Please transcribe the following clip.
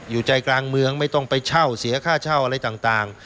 อยู่ใจกลางเมืองไม่ต้องไปเช่าเสียค่าเช่าอะไรต่าง